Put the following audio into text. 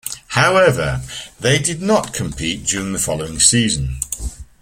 However, they did not compete during the following season.